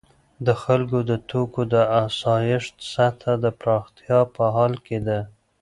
د خلکو د توکو د آسایښت سطح د پراختیا په حال کې ده.